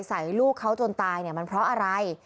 ใส่ลูกเขาจนตายเนี่ยมันเพราะอะไร